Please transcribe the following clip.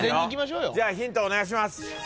じゃあヒントお願いします。